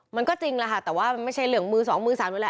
มันก็จริงแหละค่ะแต่ว่ามันไม่ใช่เหลืองมือสองมือสามแล้วแหละ